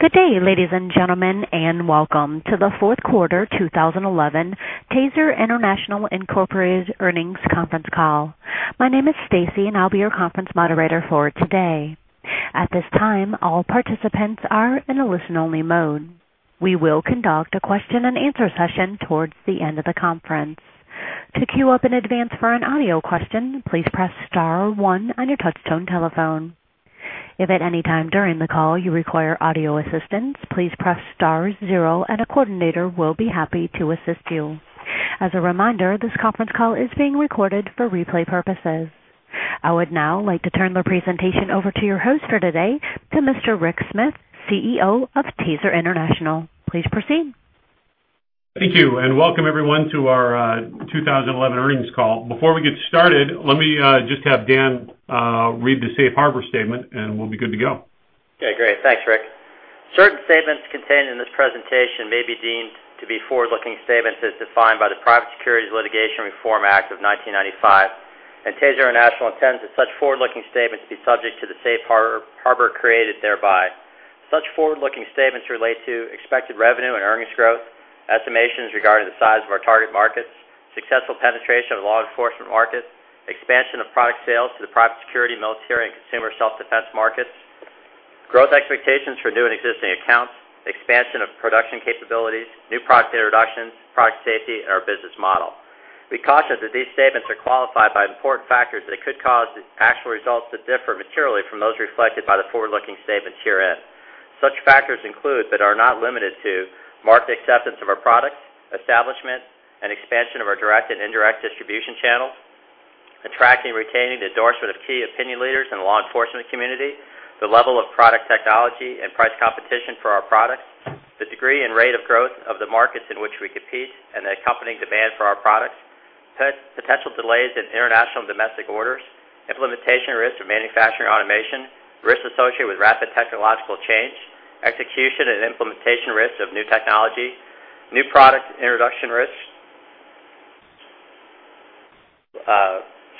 Good day, ladies and gentlemen, and welcome to the Fourth Quarter 2011 TASER International Incorporated Earnings Conference Call. My name is Stacy, and I'll be your conference moderator for today. At this time, all participants are in a listen-only mode. We will conduct a question-and-answer session towards the end of the conference. To queue up in advance for an audio question, please press Star, one on your touch-tone telephone. If at any time during the call you require audio assistance, please press Star, zero, and a coordinator will be happy to assist you. As a reminder, this conference call is being recorded for replay purposes. I would now like to turn the presentation over to your host for today, Mr. Rick Smith, CEO of TASER International. Please proceed. Thank you, and welcome everyone to our 2011 Earnings Call. Before we get started, let me just have Dan Behrendt read the safe harbor statement, and we'll be good to go. Okay, great. Thanks, Rick. Certain statements contained in this presentation may be deemed to be forward-looking statements as defined by the Private Securities Litigation Reform Act of 1995, and TASER International intends that such forward-looking statements be subject to the safe harbor created thereby. Such forward-looking statements relate to expected revenue and earnings growth, estimations regarding the size of our target markets, successful penetration of law enforcement markets, expansion of product sales to the private security, military, and consumer self-defense markets, growth expectations for new and existing accounts, expansion of production capabilities, new product introductions, product safety, and our business model. We caution that these statements are qualified by important factors that could cause the actual results to differ materially from those reflected by the forward-looking statements herein. Such factors include, but are not limited to, market acceptance of our products, establishment and expansion of our direct and indirect distribution channels, attracting and retaining the endorsement of key opinion leaders in the law enforcement community, the level of product technology and price competition for our products, the degree and rate of growth of the markets in which we compete, and the accompanying demand for our products, potential delays in international and domestic orders, implementation risk of manufacturing automation, risks associated with rapid technological change, execution and implementation risks of new technology, new product introduction risks,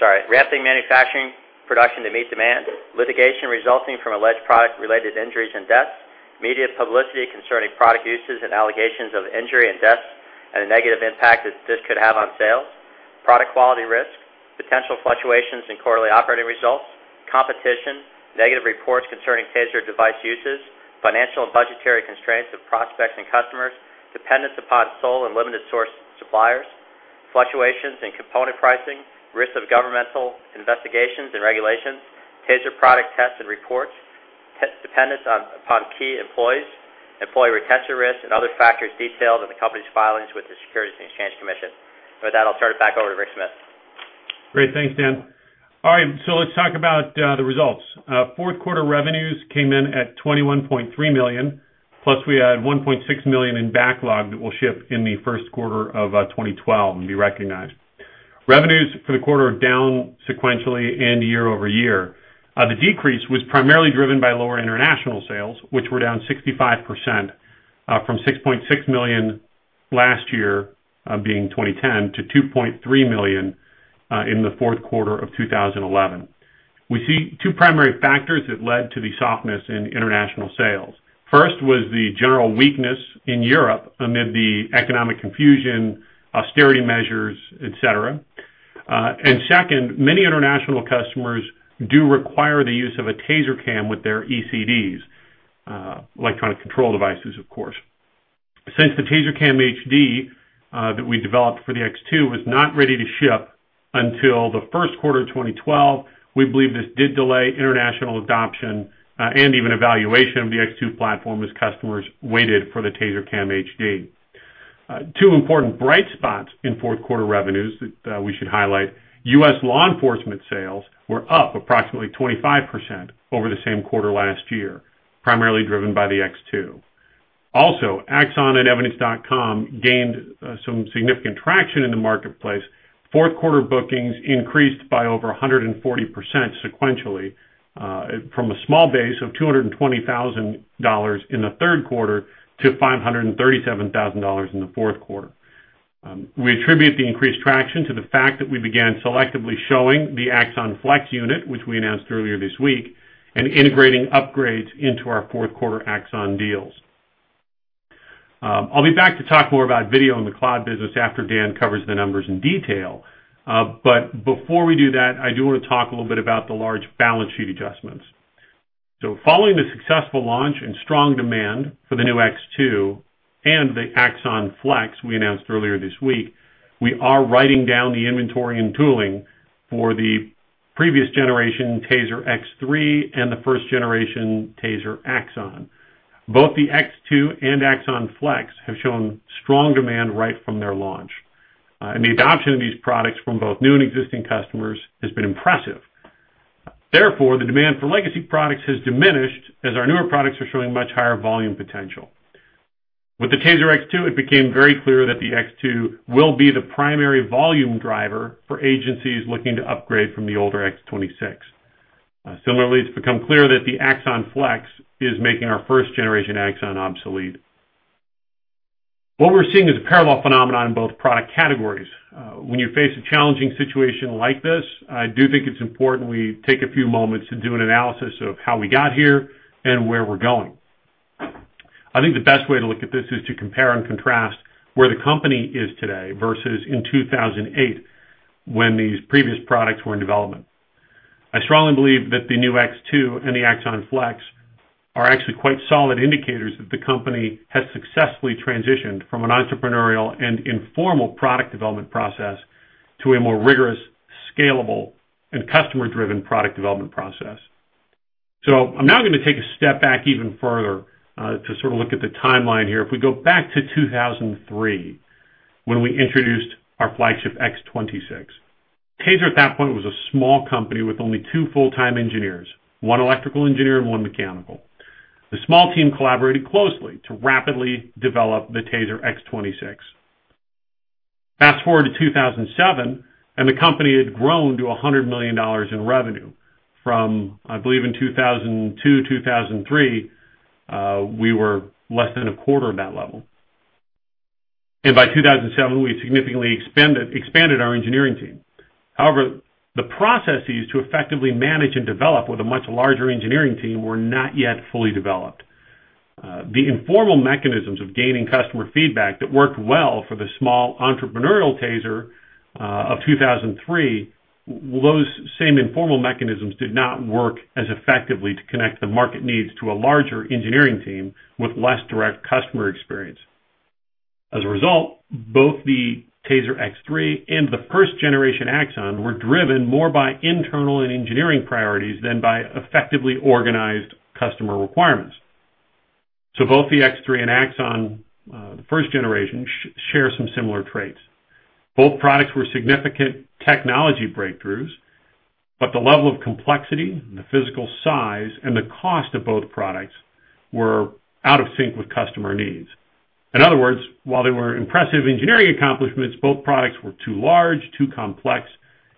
ramping manufacturing production to meet demands. Litigation resulting from alleged product-related injuries and deaths, media publicity concerning product uses and allegations of injury and deaths, and the negative impact this could have on sales, product quality risk, potential fluctuations in quarterly operating results, competition, negative reports concerning TASER device uses, financial and budgetary constraints of prospects and customers, dependence upon sole and limited source suppliers, fluctuations in component pricing, risk of governmental investigations and regulations, TASER product tests and reports, dependence upon key employees, employee retention risk, and other factors detailed in the company's filings with the Securities and Exchange Commission. With that, I'll turn it back over to Rick Smith. Great, thanks, Dan. All right, let's talk about the results. Fourth quarter revenues came in at $21.3 million, plus we add $1.6 million in backlog that will shift in the first quarter of 2012 and be recognized. Revenues for the quarter are down sequentially and year-over-year The decrease was primarily driven by lower international sales, which were down 65% from $6.6 million last year, being 2010, to $2.3 million in the fourth quarter of 2011. We see two primary factors that led to the softness in international sales. First was the general weakness in Europe amid the economic confusion, austerity measures, etc. Second, many international customers do require the use of a TASER Cam with their ECDs, electronic control devices, of course. Since the TASER Cam HD that we developed for the X2 was not ready to ship until the first quarter of 2012, we believe this did delay international adoption and even evaluation of the X2 platform as customers waited for the TASER Cam HD. Two important bright spots in fourth quarter revenues that we should highlight: U.S. law enforcement sales were up approximately 25% over the same quarter last year, primarily driven by the X2. Also, Axon and evidence.com gained some significant traction in the marketplace. Fourth quarter bookings increased by over 140% sequentially, from a small base of $220,000 in the third quarter to $537,000 in the fourth quarter. We attribute the increased traction to the fact that we began selectively showing the Axon Flex unit, which we announced earlier this week, and integrating upgrades into our fourth quarter Axon deals. I'll be back to talk more about video in the cloud business after Dan covers the numbers in detail. Before we do that, I do want to talk a little bit about the large balance sheet adjustments. Following the successful launch and strong demand for the new X2 and the Axon Flex we announced earlier this week, we are writing down the inventory and tooling for the previous generation TASER X3 and the first generation TASER Axon. Both the X2 and Axon Flex have shown strong demand right from their launch, and the adoption of these products from both new and existing customers has been impressive. Therefore, the demand for legacy products has diminished as our newer products are showing much higher volume potential. With the TASER X2, it became very clear that the X2 will be the primary volume driver for agencies looking to upgrade from the older X26. Similarly, it's become clear that the Axon Flex is making our first generation Axon obsolete. What we're seeing is a parallel phenomenon in both product categories. When you face a challenging situation like this, I do think it's important we take a few moments to do an analysis of how we got here and where we're going. I think the best way to look at this is to compare and contrast where the company is today versus in 2008, when these previous products were in development. I strongly believe that the new X2 and the Axon Flex are actually quite solid indicators that the company has successfully transitioned from an entrepreneurial and informal product development process to a more rigorous, scalable, and customer-driven product development process. I'm now going to take a step back even further to sort of look at the timeline here. If we go back to 2003, when we introduced our flagship X26, TASER at that point was a small company with only two full-time engineers, one electrical engineer and one mechanical. The small team collaborated closely to rapidly develop the TASER X26. Fast forward to 2007, and the company had grown to $100 million in revenue. From, I believe, in 2002-2003, we were less than a quarter of that level. By 2007, we had significantly expanded our engineering team. However, the processes to effectively manage and develop with a much larger engineering team were not yet fully developed. The informal mechanisms of gaining customer feedback that worked well for the small entrepreneurial TASER of 2003, those same informal mechanisms did not work as effectively to connect the market needs to a larger engineering team with less direct customer experience. As a result, both the TASER X3 and the first generation Axon were driven more by internal and engineering priorities than by effectively organized customer requirements. Both the X3 and Axon, the first generation, share some similar traits. Both products were significant technology breakthroughs, but the level of complexity, the physical size, and the cost of both products were out of sync with customer needs. In other words, while they were impressive engineering accomplishments, both products were too large, too complex,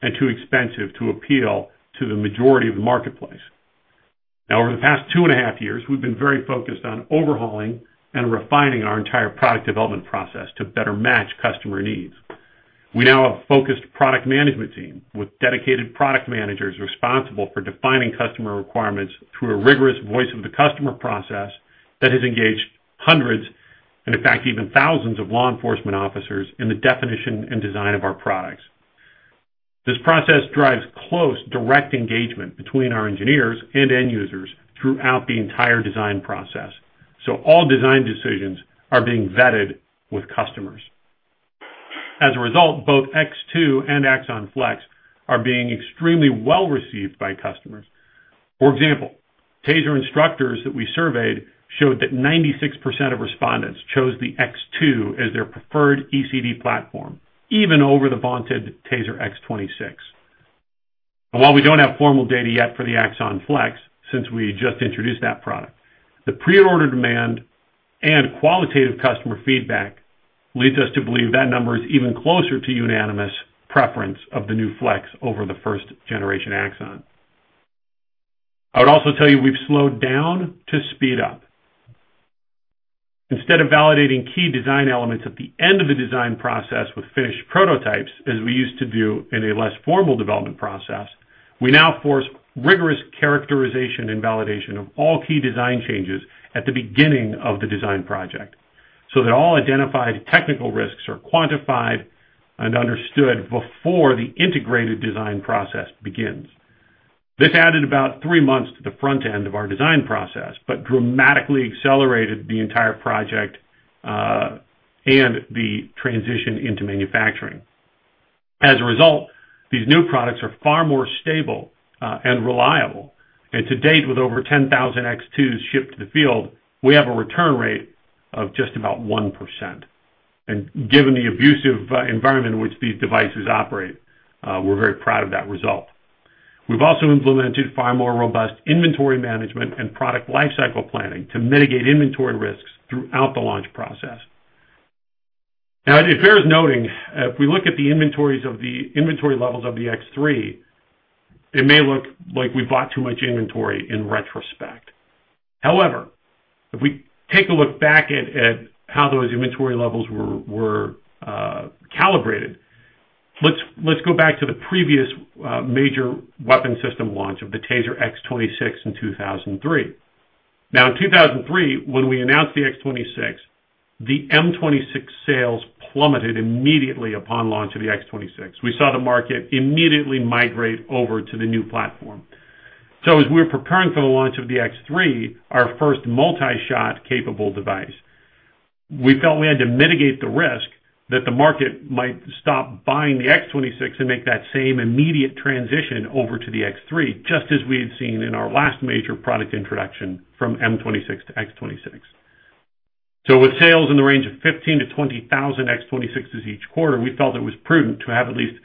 and too expensive to appeal to the majority of the marketplace. Over the past two and a half years, we've been very focused on overhauling and refining our entire product development process to better match customer needs. We now have a focused product management team with dedicated product managers responsible for defining customer requirements through a rigorous voice of the customer process that has engaged hundreds, and in fact, even thousands of law enforcement officers in the definition and design of our products. This process drives close direct engagement between our engineers and end users throughout the entire design process. All design decisions are being vetted with customers. As a result, both X2 and Axon Flex are being extremely well received by customers. For example, TASER instructors that we surveyed showed that 96% of respondents chose the X2 as their preferred ECD platform, even over the vaunted TASER X26. While we don't have formal data yet for the Axon Flex, since we just introduced that product, the pre-order demand and qualitative customer feedback leads us to believe that number is even closer to unanimous preference of the new Flex over the first generation Axon. I would also tell you we've slowed down to speed up. Instead of validating key design elements at the end of the design process with finished prototypes, as we used to do in a less formal development process, we now force rigorous characterization and validation of all key design changes at the beginning of the design project so that all identified technical risks are quantified and understood before the integrated design process begins. This added about three months to the front end of our design process, but dramatically accelerated the entire project and the transition into manufacturing. As a result, these new products are far more stable and reliable. To date, with over 10,000 X2s shipped to the field, we have a return rate of just about 1%. Given the abusive environment in which these devices operate, we're very proud of that result. We've also implemented far more robust inventory management and product lifecycle planning to mitigate inventory risks throughout the launch process. Now, it's fair as noting, if we look at the inventories of the inventory levels of the X3, it may look like we've bought too much inventory in retrospect. However, if we take a look back at how those inventory levels were calibrated, let's go back to the previous major weapon system launch of the TASER X26 in 2003. In 2003, when we announced the X26, the M26 sales plummeted immediately upon launch of the X26. We saw the market immediately migrate over to the new platform. As we were preparing for the launch of the X3, our first multi-shot capable device, we felt we had to mitigate the risk that the market might stop buying the X26 and make that same immediate transition over to the X3, just as we had seen in our last major product introduction from M26 to X26. With sales in the range of 15,000-20,000 X26s each quarter, we felt it was prudent to have at least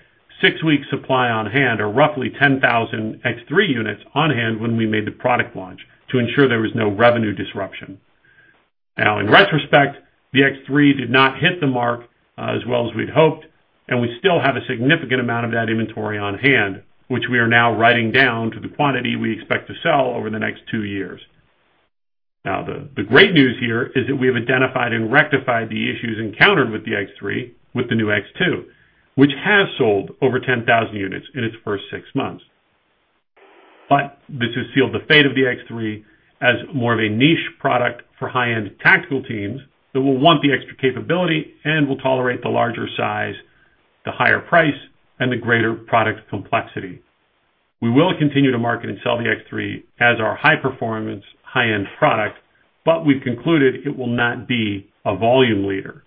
six weeks' supply on hand, or roughly 10,000 X3 units on hand when we made the product launch to ensure there was no revenue disruption. In retrospect, the X3 did not hit the mark as well as we'd hoped, and we still have a significant amount of that inventory on hand, which we are now writing down to the quantity we expect to sell over the next two years. The great news here is that we have identified and rectified the issues encountered with the X3 with the new X2, which has sold over 10,000 units in its first six months. This has sealed the fate of the X3 as more of a niche product for high-end tactical teams that will want the extra capability and will tolerate the larger size, the higher price, and the greater product complexity. We will continue to market and sell the X3 as our high-performance, high-end product, but we've concluded it will not be a volume leader.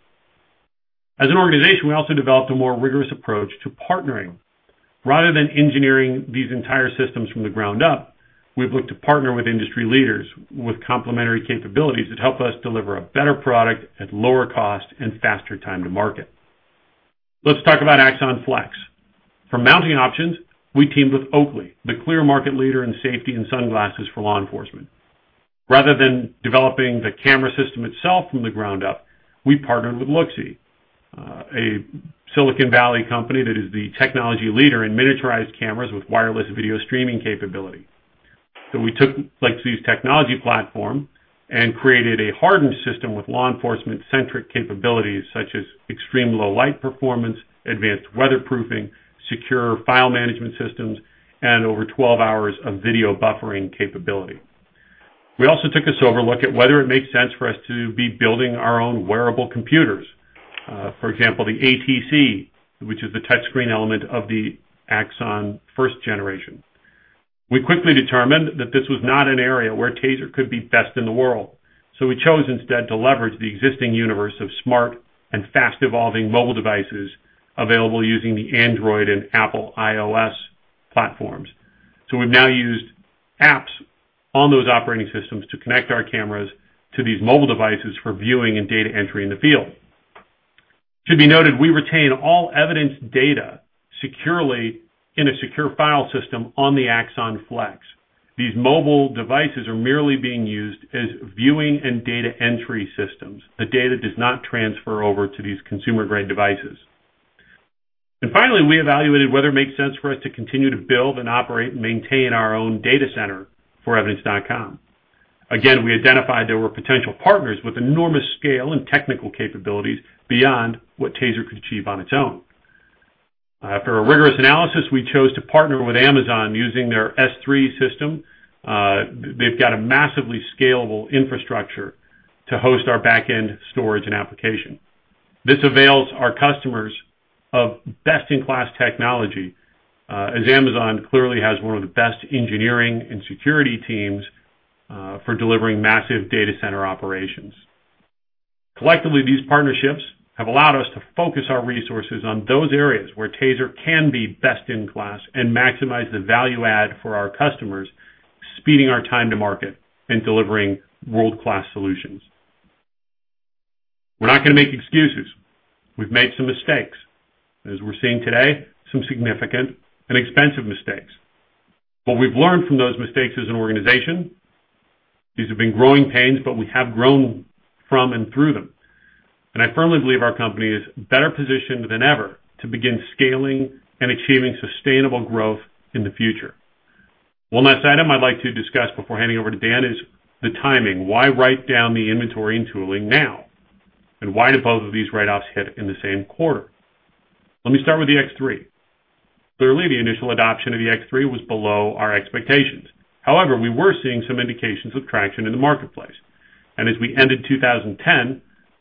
As an organization, we also developed a more rigorous approach to partnering. Rather than engineering these entire systems from the ground up, we've looked to partner with industry leaders with complementary capabilities that help us deliver a better product at lower cost and faster time to market. Let's talk about Axon Flex. For mounting options, we teamed with Oakley, the clear market leader in safety and sunglasses for law enforcement. Rather than developing the camera system itself from the ground up, we partnered with Luxi, a Silicon Valley company that is the technology leader in miniaturized cameras with wireless video streaming capability. We took Luxi technology platform and created a hardened system with law enforcement-centric capabilities such as extreme low-light performance, advanced weatherproofing, secure file management systems, and over 12 hours of video buffering capability. We also took a sober look at whether it makes sense for us to be building our own wearable computers. For example, the ATC, which is the touchscreen element of the Axon first generation. We quickly determined that this was not an area where TASER could be best in the world. We chose instead to leverage the existing universe of smart and fast-evolving mobile devices available using the Android and Apple iOS platforms. We have now used apps on those operating systems to connect our cameras to these mobile devices for viewing and data entry in the field. It should be noted we retain all evidence data securely in a secure file system on the Axon Flex. These mobile devices are merely being used as viewing and data entry systems. The data does not transfer over to these consumer-grade devices. Finally, we evaluated whether it makes sense for us to continue to build and operate and maintain our own data center for evidence.com. We identified there were potential partners with enormous scale and technical capabilities beyond what TASER could achieve on its own. After a rigorous analysis, we chose to partner with Amazon using their S3 system. They have a massively scalable infrastructure to host our backend storage and application. This avails our customers of best-in-class technology, as Amazon clearly has one of the best engineering and security teams for delivering massive data center operations. Collectively, these partnerships have allowed us to focus our resources on those areas where TASER can be best-in-class and maximize the value add for our customers, speeding our time to market and delivering world-class solutions. We are not going to make excuses. We have made some mistakes, as we are seeing today, some significant and expensive mistakes. What we have learned from those mistakes as an organization, these have been growing pains, but we have grown from and through them. I firmly believe our company is better positioned than ever to begin scaling and achieving sustainable growth in the future. One last item I would like to discuss before handing over to Dan is the timing. Why write down the inventory and tooling now? Why did both of these write-offs hit in the same quarter? Let me start with the X3. Clearly, the initial adoption of the X3 was below our expectations. However, we were seeing some indications of traction in the marketplace. As we ended 2010,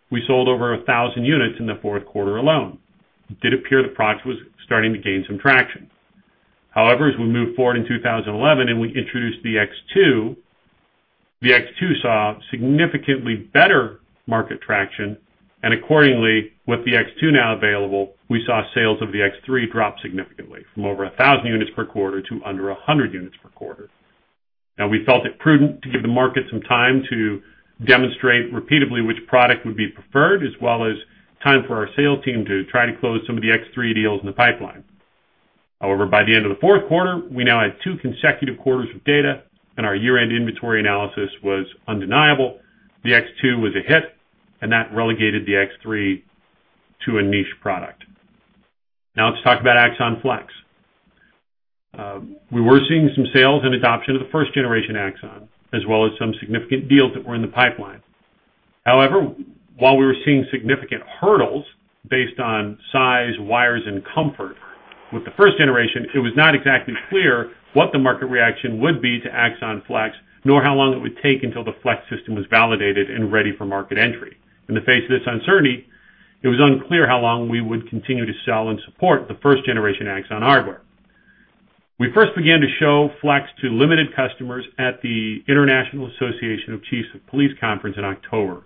we sold over 1,000 units in the fourth quarter alone. It did appear the product was starting to gain some traction. However, as we moved forward in 2011 and we introduced the X2, the X2 saw significantly better market traction. Accordingly, with the X2 now available, we saw sales of the X3 drop significantly from over 1,000 units per quarter to under 100 units per quarter. We felt it prudent to give the market some time to demonstrate repeatedly which product would be preferred, as well as time for our sales team to try to close some of the X3 deals in the pipeline. However, by the end of the fourth quarter, we now had two consecutive quarters of data, and our year-end inventory analysis was undeniable. The X2 was a hit, and that relegated the X3 to a niche product. Now, let's talk about Axon Flex. We were seeing some sales and adoption of the first generation Axon, as well as some significant deals that were in the pipeline. However, while we were seeing significant hurdles based on size, wires, and comfort with the first generation, it was not exactly clear what the market reaction would be to Axon Flex, nor how long it would take until the Flex system was validated and ready for market entry. In the face of this uncertainty, it was unclear how long we would continue to sell and support the first generation Axon hardware. We first began to show Flex to limited customers at the International Association of Chiefs of Police conference in October.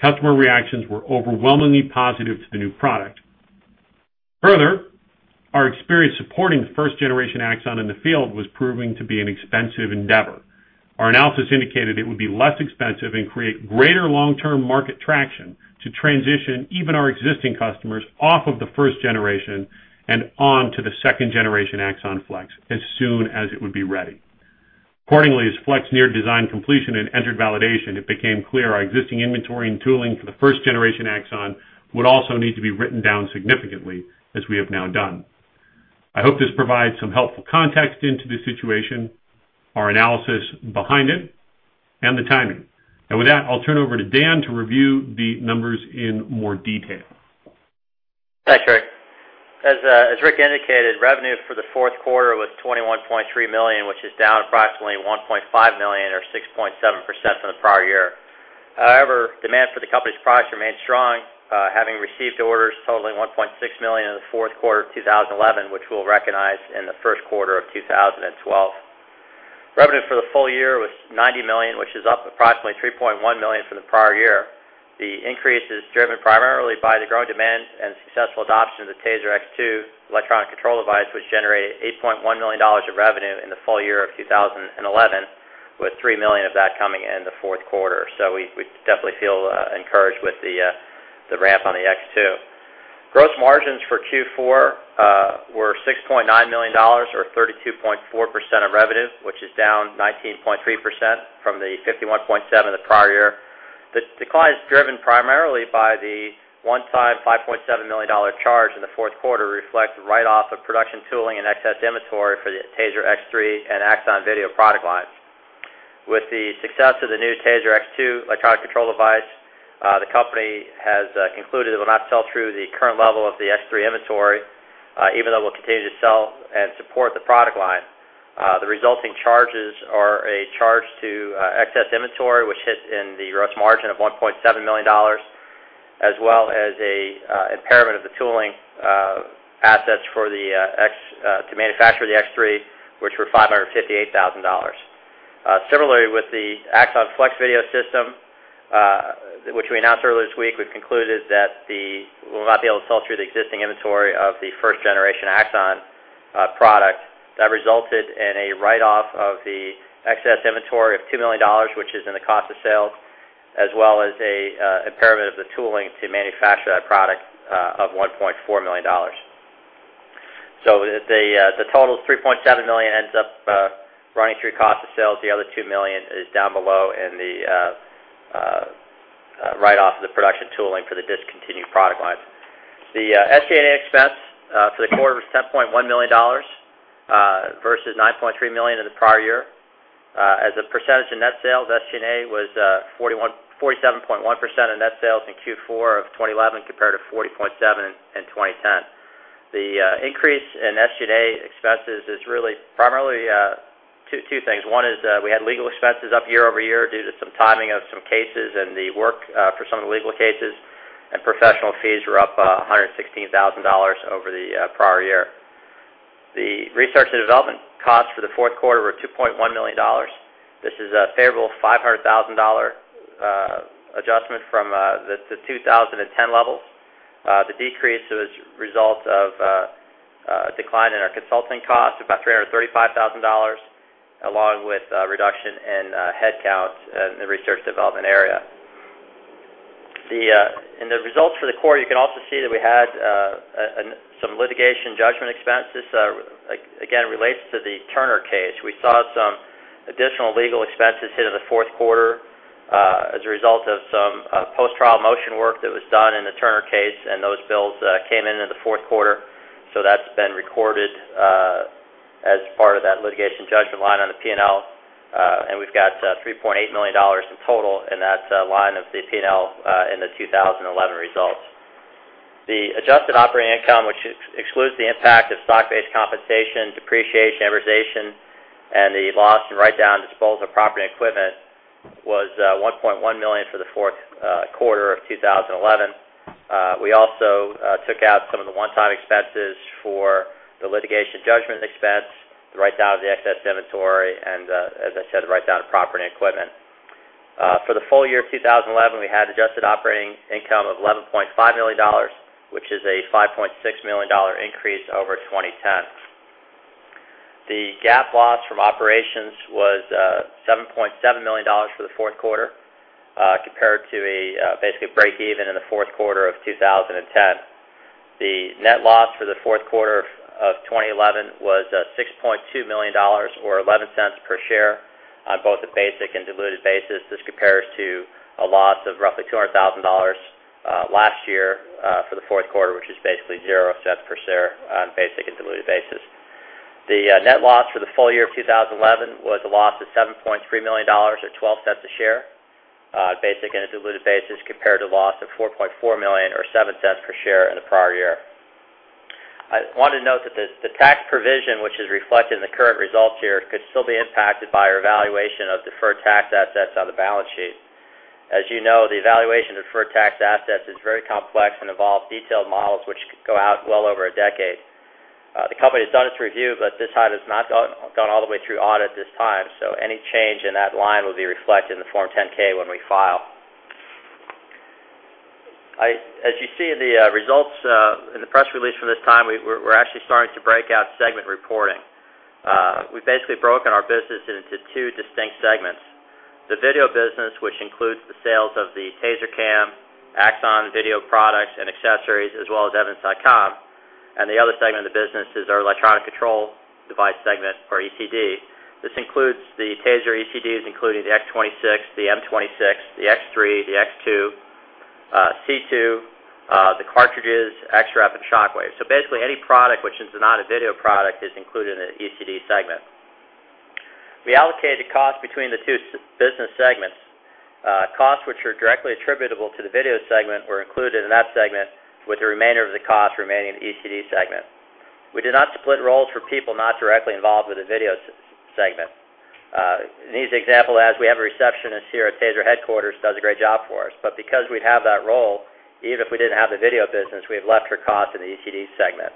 Customer reactions were overwhelmingly positive to the new product. Further, our experience supporting the first generation Axon in the field was proving to be an expensive endeavor. Our analysis indicated it would be less expensive and create greater long-term market traction to transition even our existing customers off of the first generation and onto the second generation Axon Flex as soon as it would be ready. Accordingly, as Flex neared design completion and entered validation, it became clear our existing inventory and tooling for the first generation Axon would also need to be written down significantly, as we have now done. I hope this provides some helpful context into the situation, our analysis behind it, and the timing. With that, I'll turn it over to Dan to review the numbers in more detail. Thanks, Rick. As Rick indicated, revenue for the fourth quarter was $21.3 million, which is down approximately $1.5 million, or 6.7% from the prior year. However, demand for the company's products remained strong, having received orders totaling $1.6 million in the fourth quarter of 2011, which we'll recognize in the first quarter of 2012. Revenue for the full year was $90 million, which is up approximately $3.1 million from the prior year. The increase is driven primarily by the growing demand and successful adoption of the TASER X2 electronic control device, which generated $8.1 million of revenue in the full year of 2011, with $3 million of that coming in the fourth quarter. We definitely feel encouraged with the ramp on the X2. Gross margins for Q4 were $6.9 million, or 32.4% of revenue, which is down 19.3% from the 51.7% of the prior year. The decline is driven primarily by the one-time $5.7 million charge in the fourth quarter reflected right off of production tooling and excess inventory for the TASER X3 and Axon video product lines. With the success of the new TASER X2 electronic control device, the company has concluded it will not sell through the current level of the X3 inventory, even though we'll continue to sell and support the product line. The resulting charges are a charge to excess inventory, which hits in the gross margin of $1.7 million, as well as an impairment of the tooling assets for the X to manufacture the X3, which were $558,000. Similarly, with the Axon Flex video system, which we announced earlier this week, we've concluded that we will not be able to sell through the existing inventory of the first generation Axon product. That resulted in a write-off of the excess inventory of $2 million, which is in the cost of sale, as well as an impairment of the tooling to manufacture that product of $1.4 million. The total of $3.7 million ends up running through cost of sale. The other $2 million is down below in the write-off of the production tooling for the discontinued product lines. The SG&A expense for the quarter was $10.1 million versus $9.3 million in the prior year. As a percentage in net sales, SG&A was 47.1% in net sales in Q4 of 2011 compared to 40.7% in 2010. The increase in SG&A expenses is really primarily two things. One is that we had legal expenses up year-over-year due to some timing of some cases and the work for some of the legal cases, and professional fees were up $116,000 over the prior year. The research and development costs for the fourth quarter were $2.1 million. This is a favorable $500,000 adjustment from the 2010 levels. The decrease was a result of a decline in our consulting costs of about $335,000, along with a reduction in headcount in the research development area. In the results for the quarter, you can also see that we had some litigation judgment expenses. It relates to the Turner case. We saw some additional legal expenses hit in the fourth quarter as a result of some post-trial motion work that was done in the Turner case, and those bills came in in the fourth quarter. That has been recorded as part of that litigation judgment line on the P&L. We have $3.8 million in total in that line of the P&L in the 2011 results. The adjusted operating income, which excludes the impact of stock-based compensation, depreciation, amortization, and the loss and write-down of disposable property and equipment, was $1.1 million for the fourth quarter of 2011. We also took out some of the one-time expenses for the litigation judgment expense, the write-down of the excess inventory, and, as I said, the write-down of property and equipment. For the full year of 2011, we had an adjusted operating income of $11.5 million, which is a $5.6 million increase over 2010. The GAAP loss from operations was $7.7 million for the fourth quarter, compared to a basic break-even in the fourth quarter of 2010. The net loss for the fourth quarter of 2011 was $6.2 million, or $0.11 per share on both a basic and diluted basis. This compares to a loss of roughly $200,000 last year for the fourth quarter, which is basically $0.00 per share on a basic and diluted basis. The net loss for the full year of 2011 was a loss of $7.3 million, or $0.12 a share, on a basic and a diluted basis, compared to a loss of $4.4 million, or $0.07 per share in the prior year. I wanted to note that the tax provision, which is reflected in the current results here, could still be impacted by our evaluation of deferred tax assets on the balance sheet. As you know, the evaluation of deferred tax assets is very complex and involves detailed models which go out well over a decade. The company has done its review, but this item has not gone all the way through audit at this time. Any change in that line will be reflected in the Form 10-K when we file. As you see in the results in the press release from this time, we are actually starting to break out segment reporting. We've basically broken our business into two distinct segments. The video business, which includes the sales of the TASER Cam, Axon video products, and accessories, as well as evidence.com. The other segment of the business is our electronic control device segment, or ECD. This includes the TASER ECDs, including the X26, the M26, the X3, the X2, C2, the cartridges, XREP, and Shockwave. Basically, any product which is not a video product is included in the ECD segment. We allocated the costs between the two business segments. Costs which are directly attributable to the video segment were included in that segment, with the remainder of the costs remaining in the ECD segment. We did not split roles for people not directly involved with the video segment. An easy example is we have a receptionist here at TASER headquarters who does a great job for us. Because we have that role, even if we didn't have the video business, we have left her costs in the ECD segment.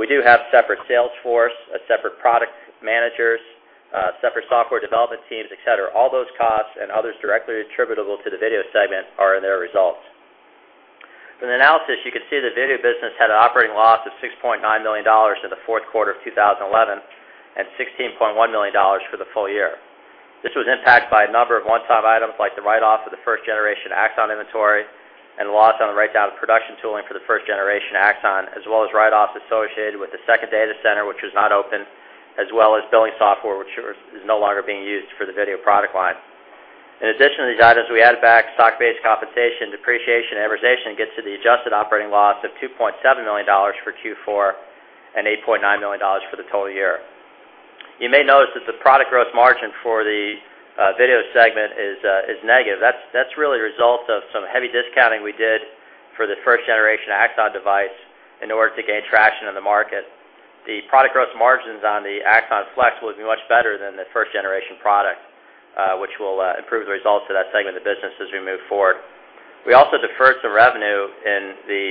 We do have separate sales force, separate product managers, separate software development teams, etc. All those costs and others directly attributable to the video segment are in their results. In the analysis, you can see the video business had an operating loss of $6.9 million in the fourth quarter of 2011, and $16.1 million for the full year. This was impacted by a number of one-time items like the write-off of the first generation Axon inventory and the loss on the write-down of production tooling for the first generation Axon, as well as write-offs associated with the second data center, which was not opened, as well as billing software, which is no longer being used for the video product line. In addition to these items, we added back stock-based compensation, depreciation, and amortization to get to the adjusted operating loss of $2.7 million for Q4 and $8.9 million for the total year. You may notice that the product gross margin for the video segment is negative. That's really a result of some heavy discounting we did for the first generation Axon device in order to gain traction in the market. The product gross margins on the Axon Flex will be much better than the first generation product, which will improve the results of that segment of the business as we move forward. We also deferred some revenue in the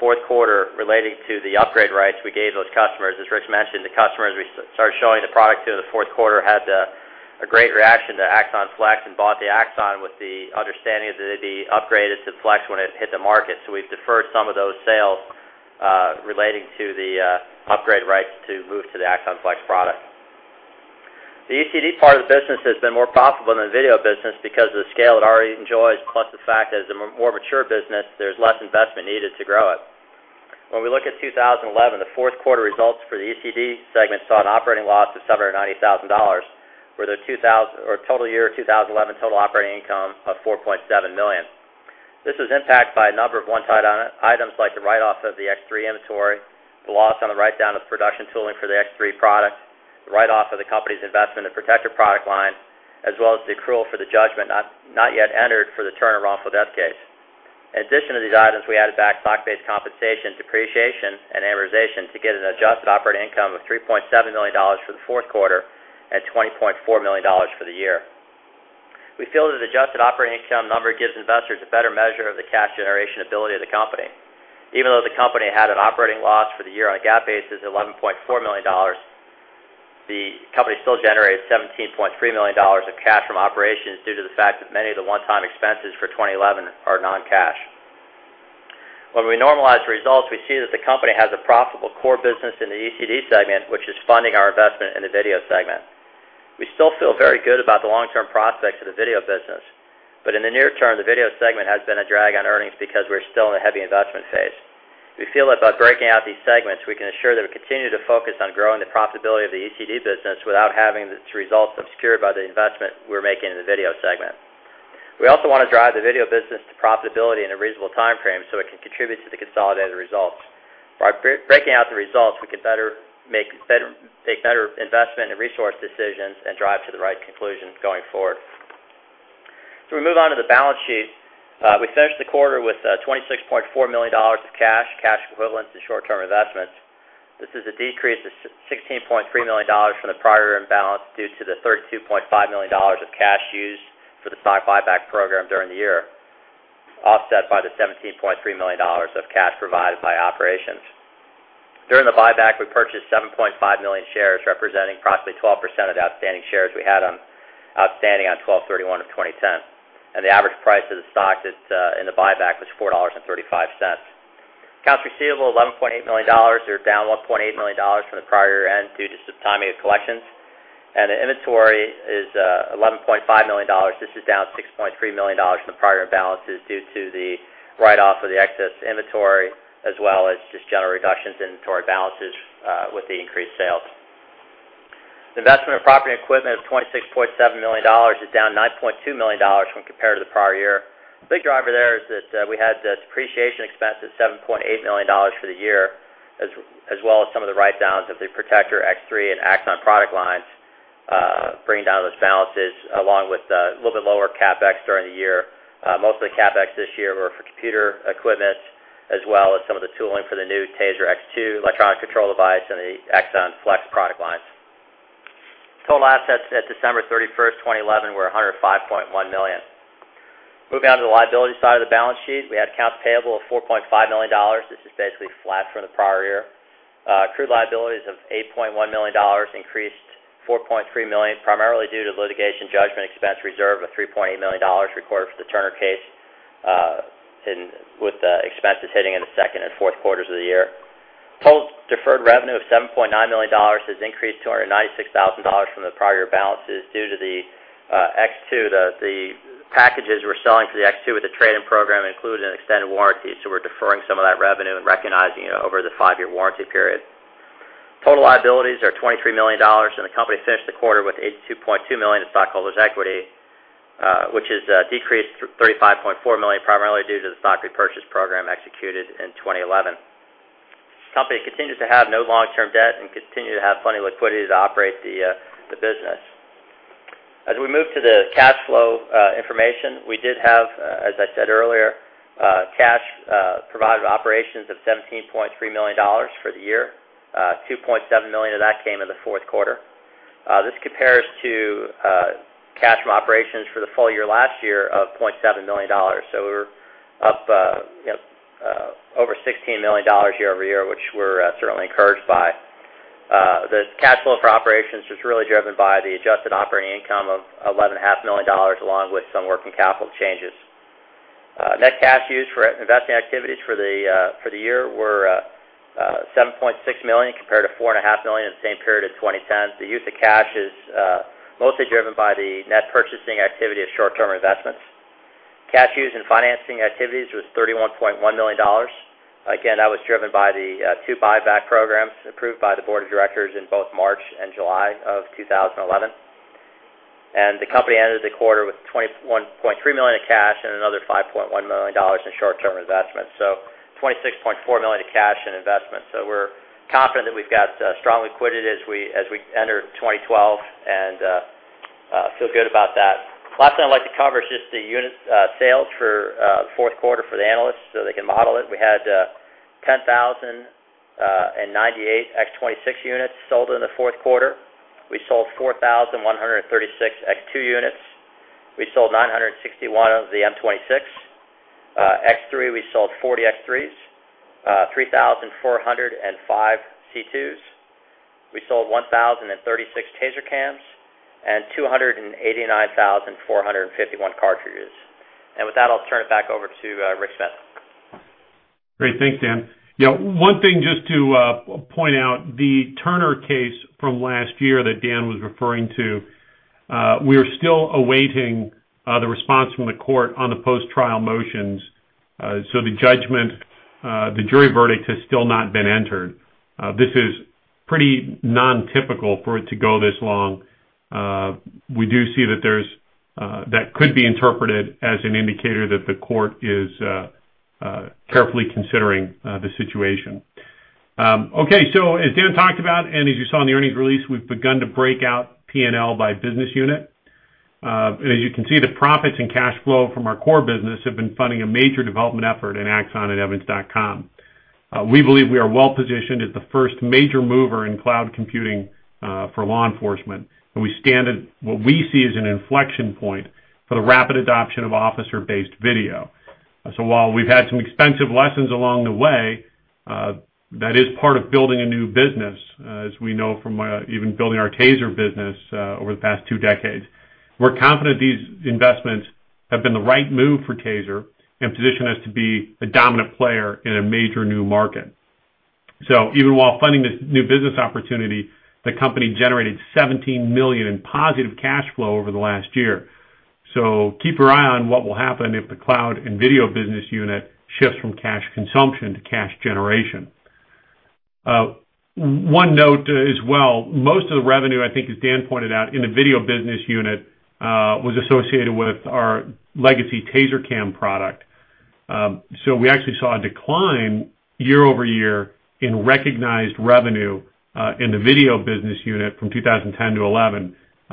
fourth quarter relating to the upgrade rights we gave those customers. As Rick mentioned, the customers we started showing the product to in the fourth quarter had a great reaction to Axon Flex and bought the Axon with the understanding that they'd be upgraded to the Flex when it hit the market. We've deferred some of those sales relating to the upgrade rights to move to the Axon Flex product. The ECD part of the business has been more profitable than the video business because of the scale it already enjoys, plus the fact that as a more mature business, there's less investment needed to grow it. When we look at 2011, the fourth quarter results for the ECD segment saw an operating loss of $790,000, or total year 2011 total operating income of $4.7 million. This was impacted by a number of one-time items like the write-off of the X3 inventory, the loss on the write-down of production tooling for the X3 product, the write-off of the company's investment to protect our product line, as well as the accrual for the judgment not yet entered for the Turner wrongful death case. In addition to these items, we added back stock-based compensation, depreciation, and amortization to get an adjusted operating income of $3.7 million for the fourth quarter and $20.4 million for the year. We feel that the adjusted operating income number gives investors a better measure of the cash generation ability of the company. Even though the company had an operating loss for the year on a GAAP basis of $11.4 million, the company still generated $17.3 million of cash from operations due to the fact that many of the one-time expenses for 2011 are non-cash. When we normalize the results, we see that the company has a profitable core business in the ECD segment, which is funding our investment in the video segment. We still feel very good about the long-term prospects of the video business. In the near term, the video segment has been a drag on earnings because we're still in a heavy investment phase. We feel that by breaking out these segments, we can ensure that we continue to focus on growing the profitability of the ECD business without having its results obscured by the investment we're making in the video segment. We also want to drive the video business to profitability in a reasonable time frame so it can contribute to the consolidated results. By breaking out the results, we can better make better investment and resource decisions and drive to the right conclusion going forward. We move on to the balance sheet. We finished the quarter with $26.4 million of cash, cash equivalents, and short-term investments. This is a decrease of $16.3 million from the prior year imbalance due to the $32.5 million of cash used for the stock buyback program during the year, offset by the $17.3 million of cash provided by operations. During the buyback, we purchased 7.5 million shares, representing approximately 12% of the outstanding shares we had outstanding on 12/31 of 2010. The average price of the stock in the buyback was $4.35. Accounts receivable are $11.8 million. They're down $1.8 million from the prior year end due to some timing of collections. Inventory is $11.5 million. This is down $6.3 million from the prior year imbalances due to the write-off of the excess inventory, as well as just general reductions in inventory balances with the increased sales. The investment of property and equipment of $26.7 million is down $9.2 million when compared to the prior year. The big driver there is that we had the depreciation expense at $7.8 million for the year, as well as some of the write-downs of the TASER X3 and Axon product lines, bringing down those balances, along with a little bit lower CapEx during the year. Most of the CapEx this year were for computer equipment, as well as some of the tooling for the new TASER X2 electronic control device and the Axon Flex product lines. Total assets at December 31, 2011, were $105.1 million. Moving on to the liability side of the balance sheet, we had accounts payable of $4.5 million. This is basically flat from the prior year. Accrued liabilities of $8.1 million increased $4.3 million, primarily due to litigation judgment expense reserve of $3.8 million recorded for the Turner case, with the expenses hitting in the second and fourth quarters of the year. Total deferred revenue of $7.9 million has increased $296,000 from the prior year balances due to the X2. The packages we're selling for the X2 with the trade-in program included an extended warranty, so we're deferring some of that revenue and recognizing it over the five-year warranty period. Total liabilities are $23 million, and the company finished the quarter with $82.2 million in stockholders' equity, which has decreased $35.4 million, primarily due to the stock repurchase program executed in 2011. The company continues to have no long-term debt and continues to have plenty of liquidity to operate the business. As we move to the cash flow information, we did have, as I said earlier, cash provided by operations of $17.3 million for the year. $2.7 million of that came in the fourth quarter. This compares to cash from operations for the full year last year of $0.7 million. We're up over $16 million year-over-year, which we're certainly encouraged by. The cash flow for operations was really driven by the adjusted operating income of $11.5 million, along with some working capital changes. Net cash used for investing activities for the year was $7.6 million, compared to $4.5 million in the same period of 2010. The use of cash is mostly driven by the net purchasing activity of short-term investments. Cash used in financing activities was $31.1 million. That was driven by the two buyback programs approved by the board of directors in both March and July of 2011. The company ended the quarter with $21.3 million of cash and another $5.1 million in short-term investments. $26.4 million of cash and investments. We're confident that we've got strong liquidity as we enter 2012 and feel good about that. The last thing I'd like to cover is just the unit sales for the fourth quarter for the analysts so they can model it. We had 10,098 X26 units sold in the fourth quarter. We sold 4,136 X2 units. We sold 961 of the M26 X3. We sold 40 X3s, 3,405 C2s. We sold 1,036 TASER Cams and 289,451 cartridges. With that, I'll turn it back over to Rick Smith. Great. Thanks, Dan. One thing just to point out, the Turner case from last year that Dan was referring to, we are still awaiting the response from the court on the post-trial motions. The judgment, the jury verdict has still not been entered. This is pretty non-typical for it to go this long. We do see that could be interpreted as an indicator that the court is carefully considering the situation. As Dan talked about, and as you saw in the earnings release, we've begun to break out P&L by business unit. As you can see, the profits and cash flow from our core business have been funding a major development effort in Axon and evidence.com. We believe we are well positioned as the first major mover in cloud computing for law enforcement. We stand at what we see as an inflection point for the rapid adoption of officer-based video. While we've had some expensive lessons along the way, that is part of building a new business, as we know from even building our TASER business over the past two decades. We're confident these investments have been the right move for TASER and position us to be a dominant player in a major new market. Even while funding this new business opportunity, the company generated $17 million in positive cash flow over the last year. Keep your eye on what will happen if the cloud and video business unit shifts from cash consumption to cash generation. One note as well, most of the revenue, I think, as Dan pointed out, in the video business unit was associated with our legacy TASER Cam product. We actually saw a decline year-over-year in recognized revenue in the video business unit from 2010-2011. There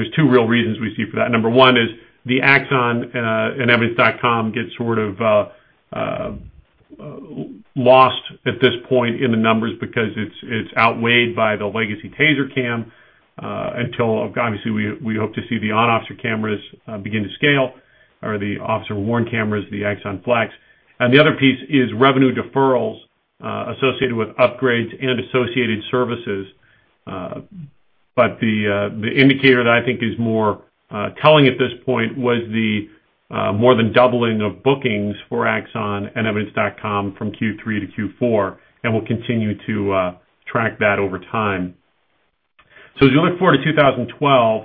are two real reasons we see for that. Number one is the Axon and evidence.com get sort of lost at this point in the numbers because it's outweighed by the legacy TASER Cam. Obviously, we hope to see the on-officer cameras begin to scale, or the officer-worn cameras, the Axon Flex. The other piece is revenue deferrals associated with upgrades and associated services. The indicator that I think is more telling at this point was the more than doubling of bookings for Axon and evidence.com from Q3-Q4. We'll continue to track that over time. As we look forward to 2012,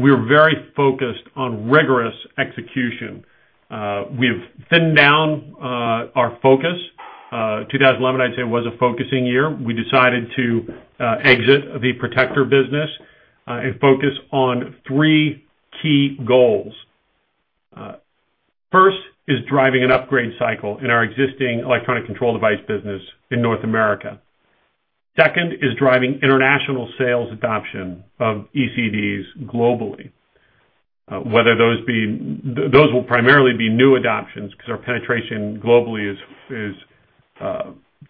we are very focused on rigorous execution. We have thinned down our focus. 2011, I'd say, was a focusing year. We decided to exit the Protector business and focus on three key goals. First is driving an upgrade cycle in our existing electronic control device business in North America. Second is driving international sales adoption of ECDs globally. Whether those will primarily be new adoptions, because our penetration globally is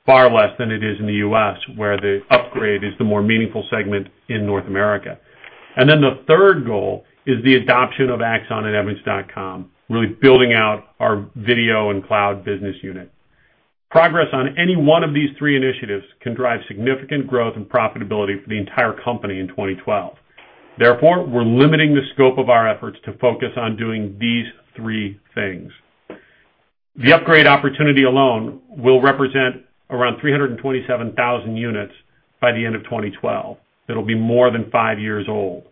far less than it is in the U.S., where the upgrade is the more meaningful segment in North America. The third goal is the adoption of Axon and evidence.com, really building out our video and cloud business segment. Progress on any one of these three initiatives can drive significant growth and profitability for the entire company in 2012. Therefore, we're limiting the scope of our efforts to focus on doing these three things. The upgrade opportunity alone will represent around 327,000 units by the end of 2012. It'll be more than five years old,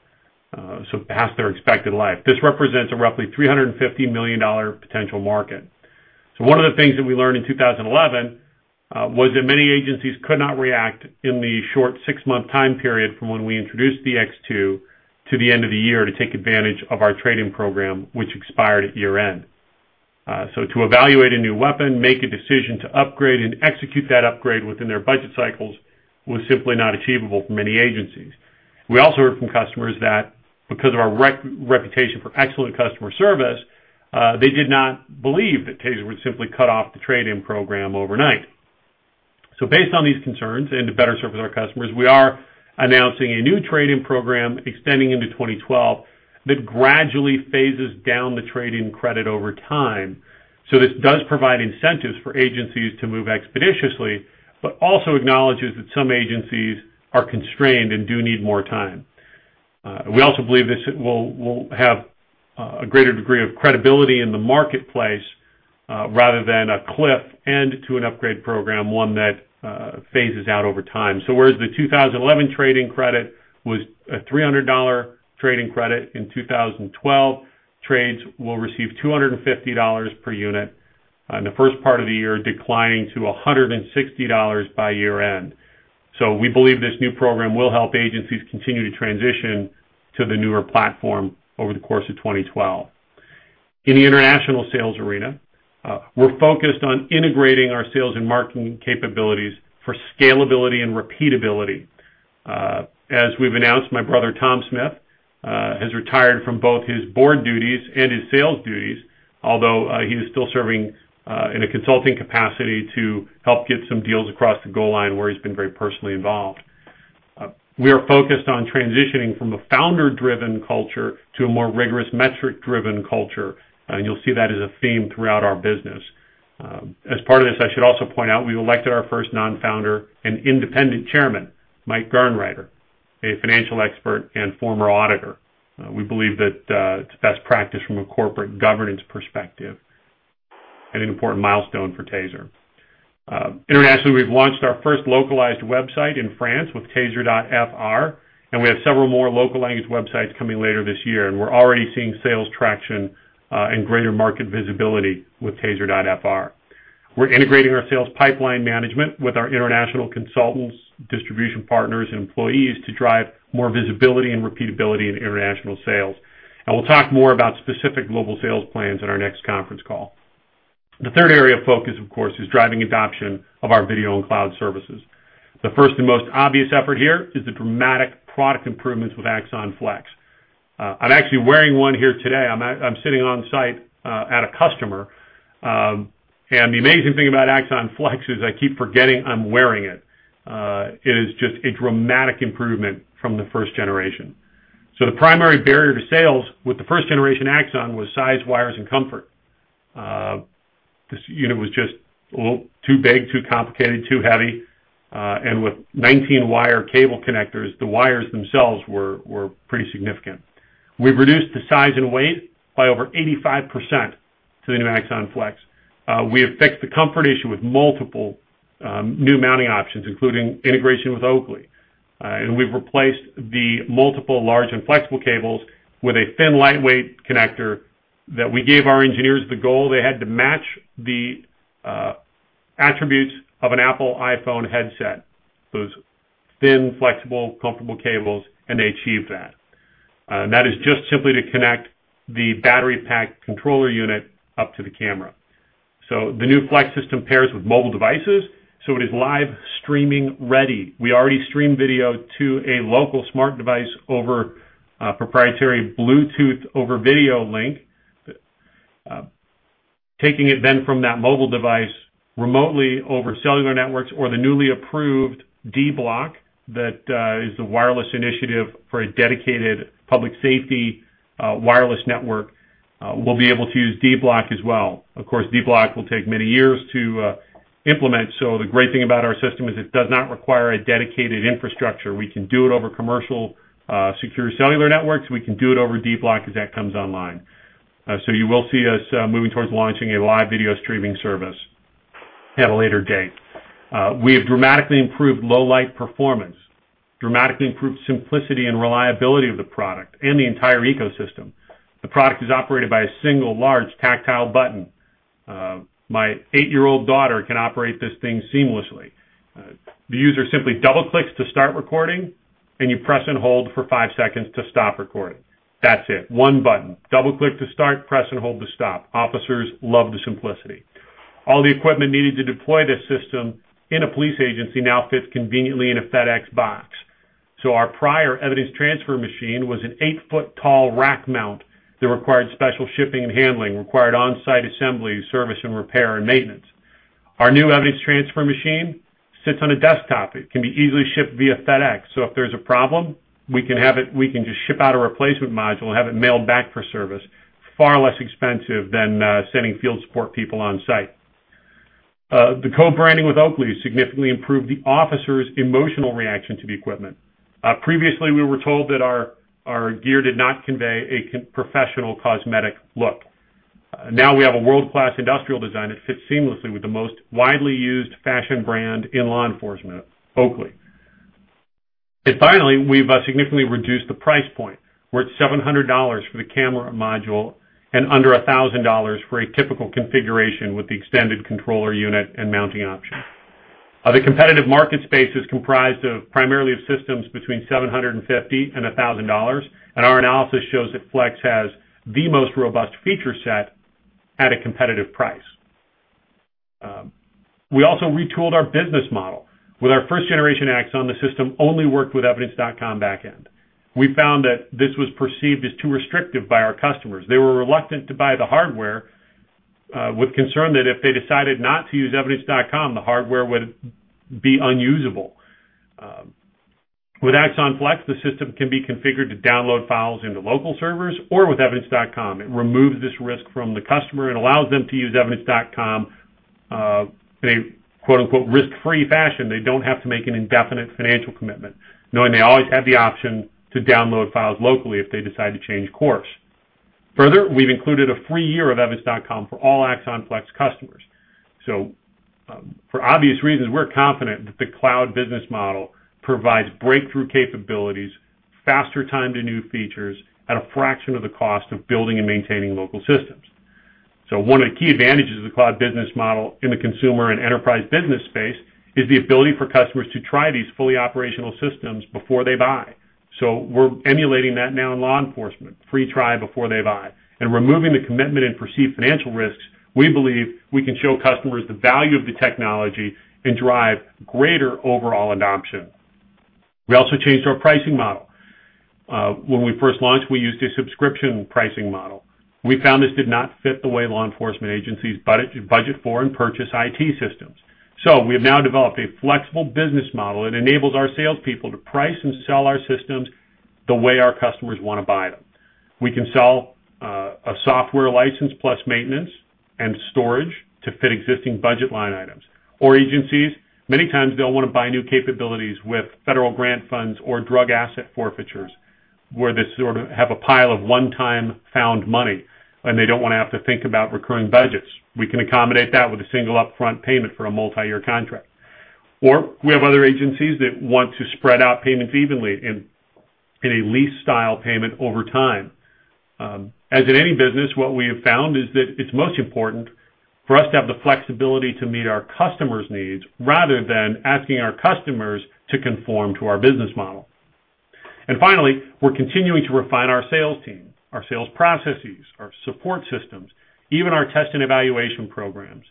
so past their expected life. This represents a roughly $350 million potential market. One of the things that we learned in 2011 was that many agencies could not react in the short six-month time period from when we introduced the TASER X2 to the end of the year to take advantage of our trade-in program, which expired at year end. To evaluate a new weapon, make a decision to upgrade and execute that upgrade within their budget cycles was simply not achievable for many agencies. We also heard from customers that because of our reputation for excellent customer service, they did not believe that TASER would simply cut off the trade-in program overnight. Based on these concerns and to better service our customers, we are announcing a new trade-in program extending into 2012 that gradually phases down the trade-in credit over time. This does provide incentives for agencies to move expeditiously, but also acknowledges that some agencies are constrained and do need more time. We also believe this will have a greater degree of credibility in the marketplace rather than a cliff end to an upgrade program, one that phases out over time. Whereas the 2011 trade-in credit was a $300 trade-in credit, in 2012, trades will receive $250 per unit in the first part of the year, declining to $160 by year end. We believe this new program will help agencies continue to transition to the newer platform over the course of 2012. In the international sales arena, we're focused on integrating our sales and marketing capabilities for scalability and repeatability. As we've announced, my brother, Tom Smith, has retired from both his board duties and his sales duties, although he was still serving in a consulting capacity to help get some deals across the goal line where he's been very personally involved. We are focused on transitioning from a founder-driven culture to a more rigorous metric-driven culture. You'll see that as a theme throughout our business. As part of this, I should also point out we've elected our first non-founder and independent Chairman, Mike Garnwrighter, a financial expert and former auditor. We believe that it's best practice from a corporate governance perspective and an important milestone for TASER International. Internationally, we've launched our first localized website in France with taser.fr, and we have several more localized websites coming later this year. We're already seeing sales traction and greater market visibility with taser.fr. We're integrating our sales pipeline management with our international consultants, distribution partners, and employees to drive more visibility and repeatability in international sales. We'll talk more about specific global sales plans in our next conference call. The third area of focus, of course, is driving adoption of our video and cloud services. The first and most obvious effort here is the dramatic product improvements with Axon Flex. I'm actually wearing one here today. I'm sitting on site at a customer. The amazing thing about Axon Flex is I keep forgetting I'm wearing it. It is just a dramatic improvement from the first generation. The primary barrier to sales with the first generation Axon was size, wires, and comfort. This unit was just a little too big, too complicated, too heavy. With 19 wire cable connectors, the wires themselves were pretty significant. We've reduced the size and weight by over 85% to the new Axon Flex. We have fixed the comfort issue with multiple new mounting options, including integration with Oakley. We've replaced the multiple large and flexible cables with a thin, lightweight connector that we gave our engineers the goal they had to match the attributes of an Apple iPhone headset. Those thin, flexible, comfortable cables, and they achieved that. That is just simply to connect the battery-packed controller unit up to the camera. The new Flex system pairs with mobile devices, so it is live streaming ready. We already stream video to a local smart device over a proprietary Bluetooth over video link, taking it then from that mobile device remotely over cellular networks, or the newly approved D-Block, that is the wireless initiative for a dedicated public safety wireless network. We will be able to use D-Block as well. Of course, D-Block will take many years to implement. The great thing about our system is it does not require a dedicated infrastructure. We can do it over commercial, secure cellular networks. We can do it over D-Block as that comes online. You will see us moving towards launching a live video streaming service at a later date. We have dramatically improved low-light performance, dramatically improved simplicity and reliability of the product and the entire ecosystem. The product is operated by a single large tactile button. My eight-year-old daughter can operate this thing seamlessly. The user simply double-clicks to start recording, and you press and hold for five seconds to stop recording. That's it. One button. Double-click to start, press and hold to stop. Officers love the simplicity. All the equipment needed to deploy this system in a police agency now fits conveniently in a FedEx box. Our prior evidence transfer machine was an 8 ft tall rack mount that required special shipping and handling, required on-site assembly, service, repair, and maintenance. Our new evidence transfer machine sits on a desktop. It can be easily shipped via FedEx. If there's a problem, we can just ship out a replacement module, have it mailed back for service. Far less expensive than sending field support people on site. The co-branding with Oakley has significantly improved the officer's emotional reaction to the equipment. Previously, we were told that our gear did not convey a professional cosmetic look. Now we have a world-class industrial design that fits seamlessly with the most widely used fashion brand in law enforcement, Oakley. We have significantly reduced the price point. We're at $700 for the camera module and under $1,000 for a typical configuration with the extended controller unit and mounting option. The competitive market space is comprised primarily of systems between $750 and $1,000. Our analysis shows that Flex has the most robust feature set at a competitive price. We also retooled our business model. With our first generation Axon, the system only worked with evidence.com backend. We found that this was perceived as too restrictive by our customers. They were reluctant to buy the hardware with concern that if they decided not to use evidence.com, the hardware would be unusable. With Axon Flex, the system can be configured to download files into local servers or with evidence.com. It removes this risk from the customer and allows them to use evidence.com in a quote-unquote "risk-free" fashion. They don't have to make an indefinite financial commitment, knowing they always have the option to download files locally if they decide to change course. Further, we've included a free year of evidence.com for all Axon Flex customers. For obvious reasons, we're confident that the cloud business model provides breakthrough capabilities, faster time to new features at a fraction of the cost of building and maintaining local systems. One of the key advantages of the cloud business model in the consumer and enterprise business space is the ability for customers to try these fully operational systems before they buy. We're emulating that now in law enforcement. Free try before they buy. Removing the commitment and perceived financial risks, we believe we can show customers the value of the technology and drive greater overall adoption. We also changed our pricing model. When we first launched, we used a subscription pricing model. We found this did not fit the way law enforcement agencies budget for and purchase IT systems. We have now developed a flexible business model that enables our salespeople to price and sell our systems the way our customers want to buy them. We can sell a software license plus maintenance and storage to fit existing budget line items. Agencies, many times, they'll want to buy new capabilities with federal grant funds or drug asset forfeitures, where they sort of have a pile of one-time found money, and they don't want to have to think about recurring budgets. We can accommodate that with a single upfront payment for a multi-year contract. We have other agencies that want to spread out payments evenly in a lease-style payment over time. As in any business, what we have found is that it's most important for us to have the flexibility to meet our customers' needs rather than asking our customers to conform to our business model. Finally, we're continuing to refine our sales team, our sales processes, our support systems, even our test and evaluation programs.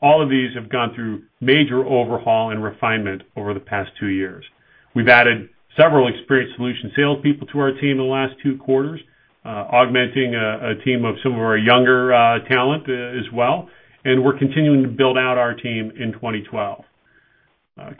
All of these have gone through major overhaul and refinement over the past two years. We have added several experienced solution salespeople to our team in the last two quarters, augmenting a team of some of our younger talent as well. We are continuing to build out our team in 2012.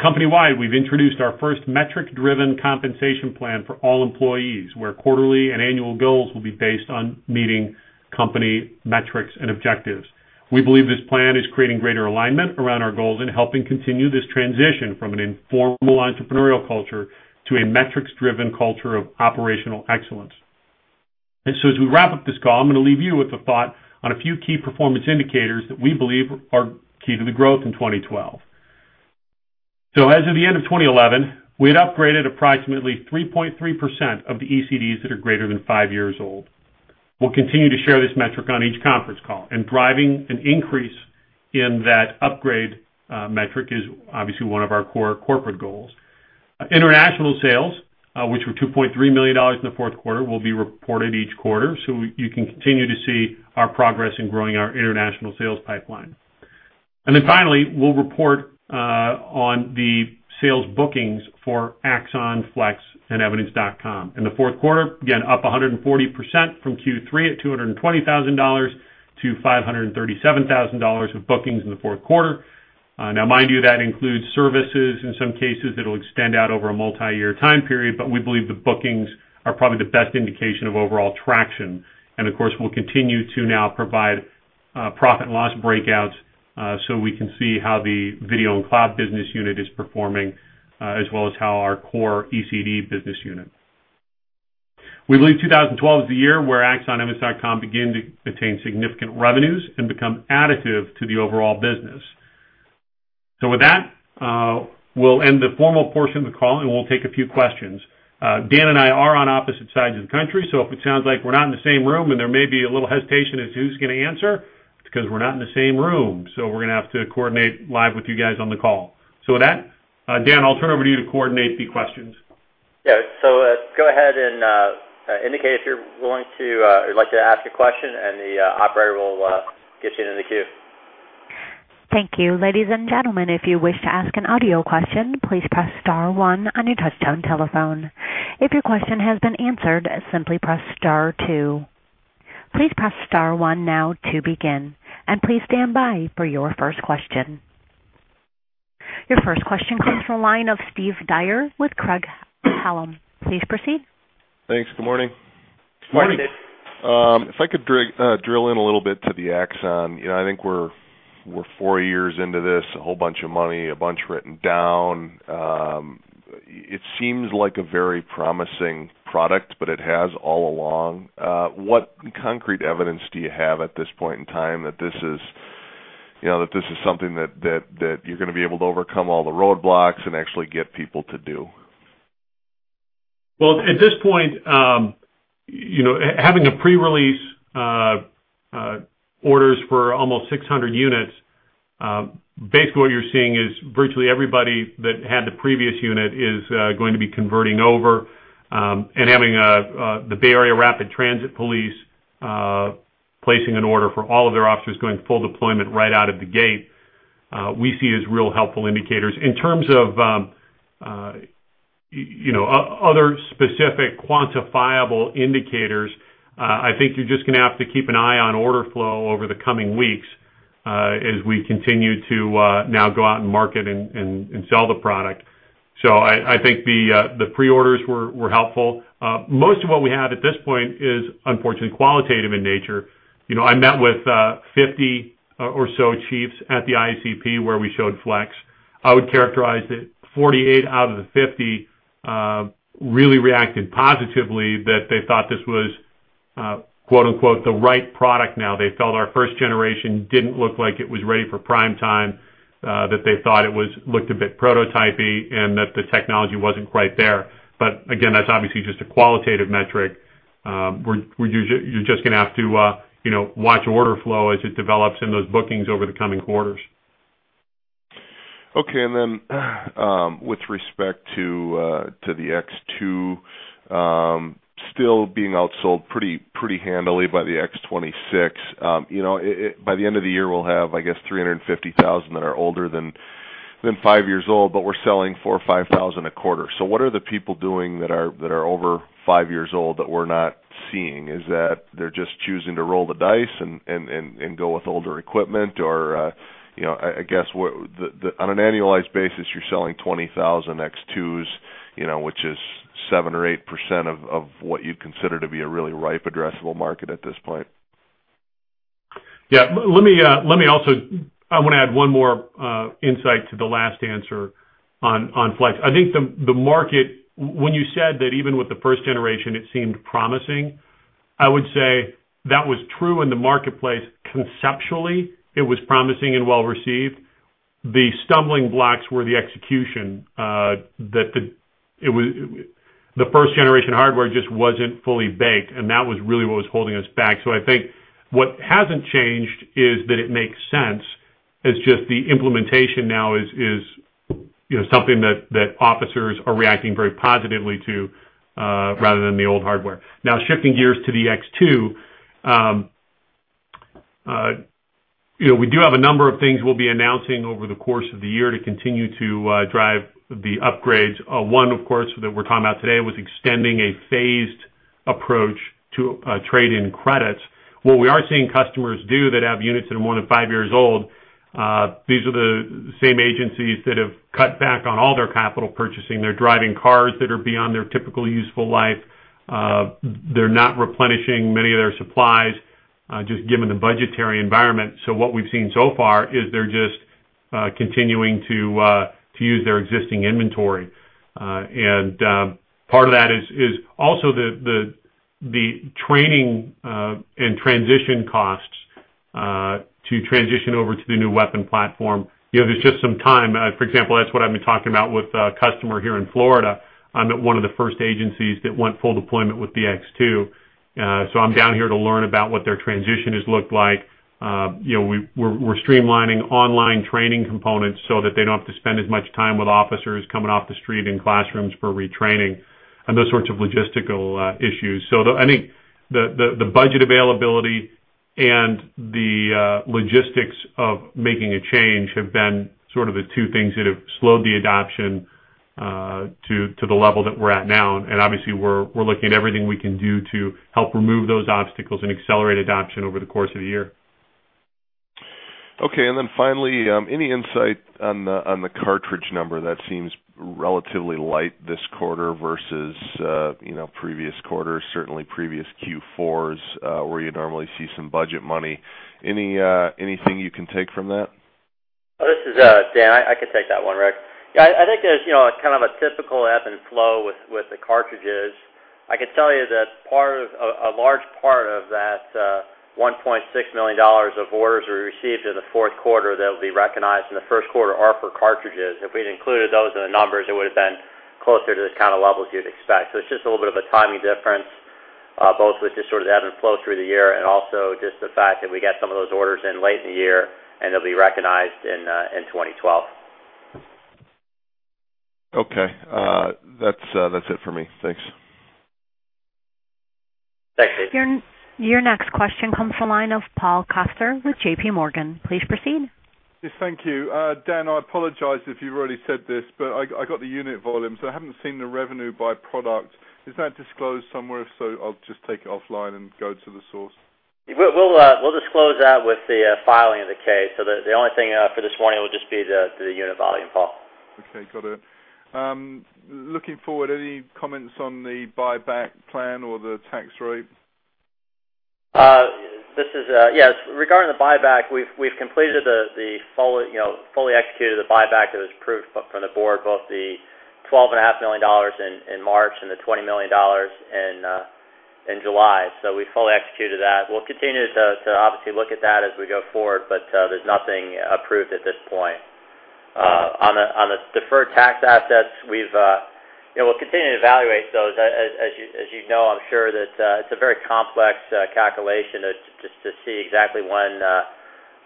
Company-wide, we have introduced our first metric-driven compensation plan for all employees, where quarterly and annual bills will be based on meeting company metrics and objectives. We believe this plan is creating greater alignment around our goals and helping continue this transition from an informal entrepreneurial culture to a metrics-driven culture of operational excellence. As we wrap up this call, I am going to leave you with a thought on a few key performance indicators that we believe are key to the growth in 2012. As of the end of 2011, we had upgraded approximately 3.3% of the ECDs that are greater than five years old. We will continue to share this metric on each conference call. Driving an increase in that upgrade metric is obviously one of our core corporate goals. International sales, which were $2.3 million in the fourth quarter, will be reported each quarter. You can continue to see our progress in growing our international sales pipeline. Finally, we will report on the sales bookings for Axon Flex and evidence.com. In the fourth quarter, again, up 140% from Q3 at $220,000-$537,000 with bookings in the fourth quarter. Mind you, that includes services in some cases that will extend out over a multi-year time period, but we believe the bookings are probably the best indication of overall traction. We will continue to now provide profit and loss breakouts so we can see how the video and cloud business unit is performing, as well as how our core ECD business unit is performing. We believe 2012 is the year where Axon and evidence.com begin to attain significant revenues and become additive to the overall business. With that, we will end the formal portion of the call, and we will take a few questions. Dan and I are on opposite sides of the country. If it sounds like we are not in the same room and there may be a little hesitation as to who is going to answer, it is because we are not in the same room. We are going to have to coordinate live with you guys on the call. With that, Dan, I will turn it over to you to coordinate the questions. Go ahead and indicate if you're willing to or you'd like to ask a question, and the operator will get you into the queue. Thank you. Ladies and gentlemen, if you wish to ask an audio question, please press Star, one on your touch-tone telephone. If your question has been answered, simply press Star, two. Please press Star, one now to begin. Please stand by for your first question. Your first question comes from the line of Steve Dyer with Craig-Hallum. Please proceed. Thanks. Good morning. Morning, Steve. If I could drill in a little bit to the Axon, I think we're four years into this, a whole bunch of money, a bunch written down. It seems like a very promising product, but it has all along. What concrete evidence do you have at this point in time that this is something that you're going to be able to overcome all the roadblocks and actually get people to do? At this point, having pre-release orders for almost 600 units, basically what you're seeing is virtually everybody that had the previous unit is going to be converting over and having the Bay Area Rapid Transit Police placing an order for all of their officers going full deployment right out of the gate, we see as real helpful indicators. In terms of other specific quantifiable indicators, I think you're just going to have to keep an eye on order flow over the coming weeks as we continue to now go out and market and sell the product. I think the pre-orders were helpful. Most of what we have at this point is unfortunately qualitative in nature. You know I met with 50 or so chiefs at the ICP where we showed Flex. I would characterize that 48 out of the 50 really reacted positively that they thought this was quote-unquote "the right product now." They felt our first generation didn't look like it was ready for prime time, that they thought it looked a bit prototypy and that the technology wasn't quite there. Again, that's obviously just a qualitative metric. You're just going to have to watch order flow as it develops in those bookings over the coming quarters. Okay, and then with respect to the X2, still being outsold pretty handily by the X26. By the end of the year, we'll have, I guess, 350,000 that are older than five years old, but we're selling 4,000 or 5,000 a quarter. What are the people doing that are over five years old that we're not seeing? Is it that they're just choosing to roll the dice and go with older equipment? On an annualized basis, you're selling 20,000 X2s, which is 7% or 8% of what you'd consider to be a really ripe addressable market at this point. Yeah, let me also add one more insight to the last answer on Flex. I think the market, when you said that even with the first generation, it seemed promising, I would say that was true in the marketplace. Conceptually, it was promising and well-received. The stumbling blocks were the execution that the first generation hardware just wasn't fully baked, and that was really what was holding us back. I think what hasn't changed is that it makes sense. It's just the implementation now is something that officers are reacting very positively to rather than the old hardware. Now, shifting gears to the X2, we do have a number of things we'll be announcing over the course of the year to continue to drive the upgrades. One, of course, that we're talking about today was extending a phased approach to trade-in credits. What we are seeing customers do that have units that are more than five years old, these are the same agencies that have cut back on all their capital purchasing. They're driving cars that are beyond their typical useful life. They're not replenishing many of their supplies, just given the budgetary environment. What we've seen so far is they're just continuing to use their existing inventory. Part of that is also the training and transition costs to transition over to the new weapon platform. You know there's just some time. For example, that's what I've been talking about with a customer here in Florida. I'm at one of the first agencies that went full deployment with the X2. I'm down here to learn about what their transition has looked like. We're streamlining online training components so that they don't have to spend as much time with officers coming off the street in classrooms for retraining and those sorts of logistical issues. I think the budget availability and the logistics of making a change have been sort of the two things that have slowed the adoption to the level that we're at now. Obviously, we're looking at everything we can do to help remove those obstacles and accelerate adoption over the course of the year. Okay, and then finally, any insight on the cartridge number that seems relatively light this quarter versus previous quarters? Certainly, previous Q4s where you normally see some budget money. Anything you can take from that? Oh, this is Dan. I could take that one, Rick. I think there's kind of a typical ebb and flow with the cartridges. I can tell you that a large part of that $1.6 million of orders we received in the fourth quarter that will be recognized in the first quarter are for cartridges. If we'd included those in the numbers, it would have been closer to this kind of level as you'd expect. It's just a little bit of a timing difference, both with just sort of the ebb and flow through the year and also just the fact that we got some of those orders in late in the year and they'll be recognized in 2012. Okay, that's it for me. Thanks. Thanks, Steve. Your next question comes from the line of Paul Koster with JPMorgan. Please proceed. Yes, thank you. Dan, I apologize if you've already said this, but I got the unit volumes. I haven't seen the revenue by product. Is that disclosed somewhere? If so, I'll just take it offline and go to the source. We'll disclose that with the filing of the case. The only thing for this morning will just be the unit volume, Paul. Okay, got it. Looking forward, any comments on the buyback plan or the tax rate? Yeah, regarding the buyback, we've fully executed the buyback that was approved from the board, both the $12.5 million in March and the $20 million in July. We've fully executed that. We'll continue to obviously look at that as we go forward, but there's nothing approved at this point. On the deferred tax assets, we'll continue to evaluate those. As you know, I'm sure that it's a very complex calculation just to see exactly when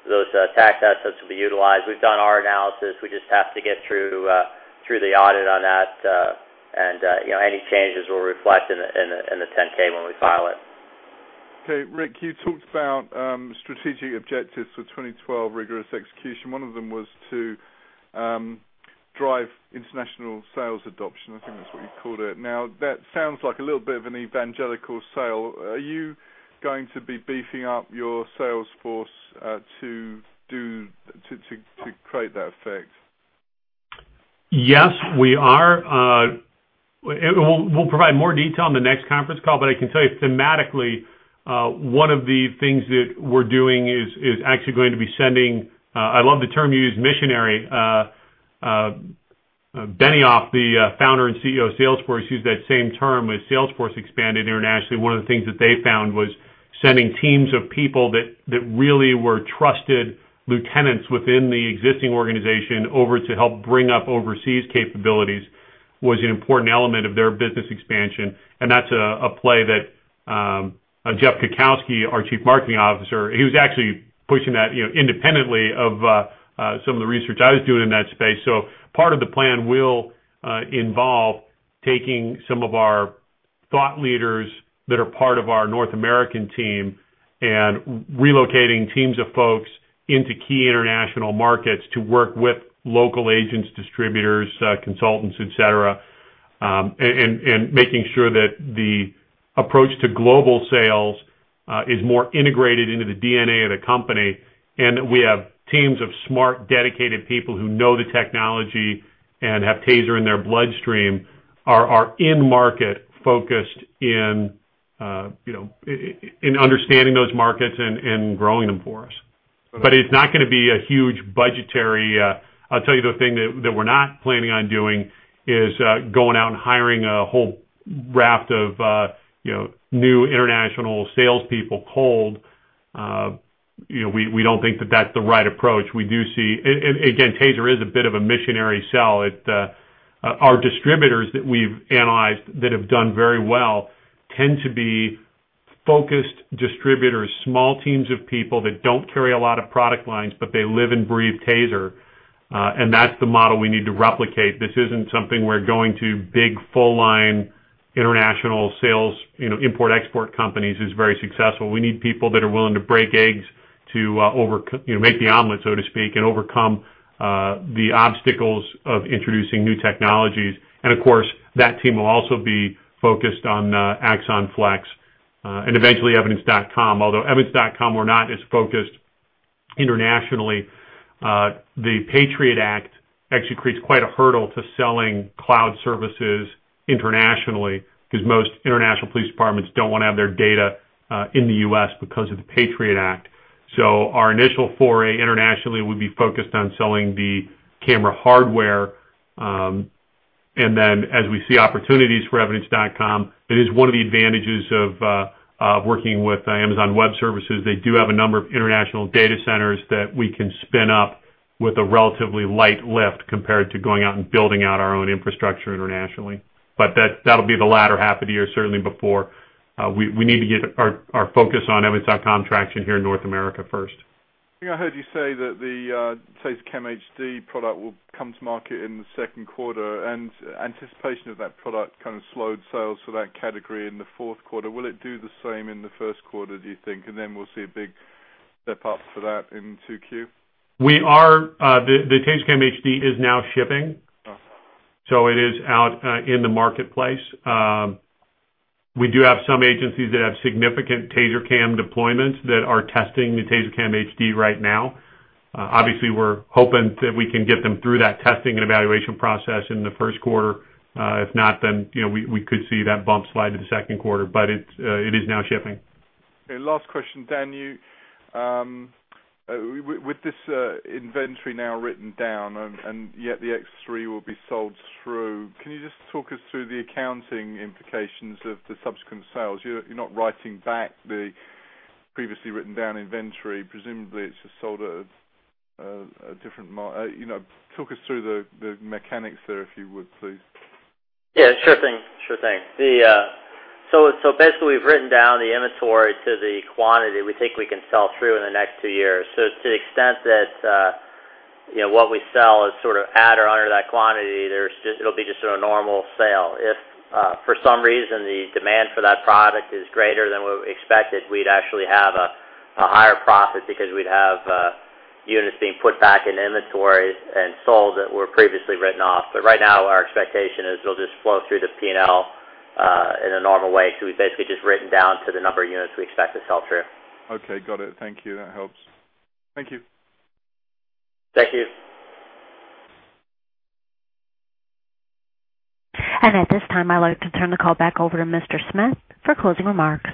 those tax assets will be utilized. We've done our analysis. We just have to get through the audit on that, and any changes will reflect in the 10K when we file it. Okay, Rick, you talked about strategic objectives for 2012, rigorous execution. One of them was to drive international sales adoption. I think that's what you called it. Now, that sounds like a little bit of an evangelical sale. Are you going to be beefing up your sales force to create that effect? Yes, we are. We'll provide more detail in the next conference call, but I can tell you thematically, one of the things that we're doing is actually going to be sending, I love the term you used, missionary, Benioff, the founder and CEO of Salesforce. He used that same term as Salesforce expanded internationally. One of the things that they found was sending teams of people that really were trusted lieutenants within the existing organization over to help bring up overseas capabilities was an important element of their business expansion. That's a play that Jeff Kukowski, our Chief Marketing Officer, was actually pushing independently of some of the research I was doing in that space. Part of the plan will involve taking some of our thought leaders that are part of our North American team and relocating teams of folks into key international markets to work with local agents, distributors, consultants, etc., and making sure that the approach to global sales is more integrated into the DNA of the company. We have teams of smart, dedicated people who know the technology and have TASER in their bloodstream, are in market, focused in understanding those markets and growing them for us. It's not going to be a huge budgetary. I'll tell you the thing that we're not planning on doing is going out and hiring a whole raft of new international salespeople cold. We don't think that that's the right approach. We do see, and again, TASER is a bit of a missionary sell. Our distributors that we've analyzed that have done very well tend to be focused distributors, small teams of people that don't carry a lot of product lines, but they live and breathe TASER. That's the model we need to replicate. This isn't something where going to big full-line international sales, import-export companies is very successful. We need people that are willing to break eggs to make the omelet, so to speak, and overcome the obstacles of introducing new technologies. Of course, that team will also be focused on Axon Flex and eventually evidence.com. Although evidence.com, we're not as focused internationally, the Patriot Act actually creates quite a hurdle to selling cloud services internationally because most international police departments don't want to have their data in the U.S. because of the Patriot Act. Our initial foray internationally would be focused on selling the camera hardware. As we see opportunities for evidence.com, that is one of the advantages of working with Amazon Web Services. They do have a number of international data centers that we can spin up with a relatively light lift compared to going out and building out our own infrastructure internationally. That'll be the latter half of the year, certainly before we need to get our focus on evidence.com traction here in North America first. I heard you say that the TASER Cam HD product will come to market in the second quarter, and anticipation of that product kind of slowed sales for that category in the fourth quarter. Will it do the same in the first quarter, do you think? We'll see a big step up for that in 2Q? The TASER Cam HD is now shipping. It is out in the marketplace. We do have some agencies that have significant TASER Cam deployments that are testing the TASER Cam HD right now. Obviously, we're hoping that we can get them through that testing and evaluation process in the first quarter. If not, we could see that bump slide to the second quarter. It is now shipping. Last question, Daniel. With this inventory now written down and yet the TASER X3 will be sold through, can you just talk us through the accounting implications of the subsequent sales? You're not writing back the previously written down inventory. Presumably, it's just sold at a different mark. Talk us through the mechanics there, if you would, please. Sure thing. We've written down the inventory to the quantity we think we can sell through in the next two years. To the extent that what we sell is at or under that quantity, it'll be just a normal sale. If for some reason the demand for that product is greater than what we expected, we'd actually have a higher profit because we'd have units being put back in inventory and sold that were previously written off. Right now, our expectation is it'll just flow through the P&L in a normal way. We've basically just written down to the number of units we expect to sell through. Okay, got it. Thank you. That helps. Thank you. Thank you. At this time, I'd like to turn the call back over to Mr. Smith for closing remarks.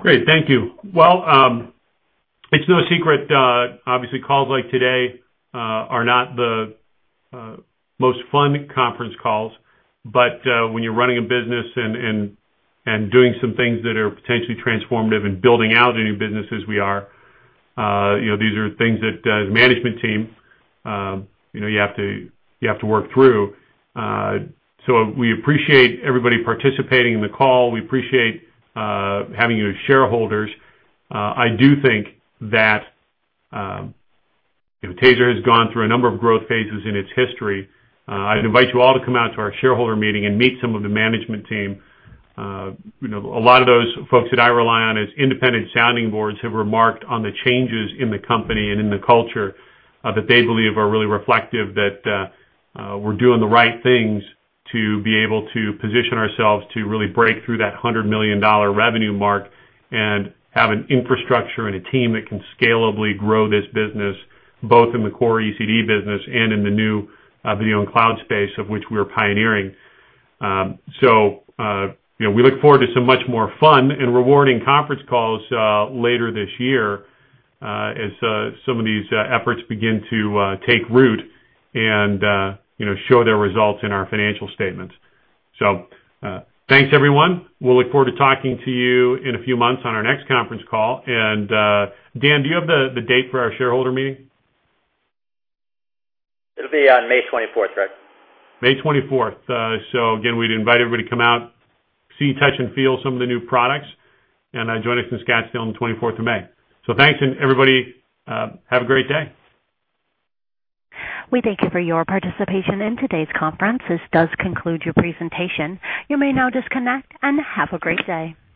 Great, thank you. It's no secret, obviously, calls like today are not the most fun conference calls. When you're running a business and doing some things that are potentially transformative and building out a new business as we are, these are things that as a management team, you have to work through. We appreciate everybody participating in the call. We appreciate having you as shareholders. I do think that TASER has gone through a number of growth phases in its history. I'd invite you all to come out to our shareholder meeting and meet some of the management team. A lot of those folks that I rely on as independent sounding boards have remarked on the changes in the company and in the culture that they believe are really reflective that we're doing the right things to be able to position ourselves to really break through that $100 million revenue mark and have an infrastructure and a team that can scalably grow this business, both in the core ECD business and in the new video and cloud space of which we are pioneering. We look forward to some much more fun and rewarding conference calls later this year as some of these efforts begin to take root and show their results in our financial statements. Thanks, everyone. We'll look forward to talking to you in a few months on our next conference call. Dan, do you have the date for our shareholder meeting? It'll be on May 24, Rick. May 24th. We'd invite everybody to come out, see, touch, and feel some of the new products. Join us in Scottsdale on the 24th of May. Thanks, and everybody, have a great day. We thank you for your participation in today's conference. This does conclude your presentation. You may now disconnect and have a great day.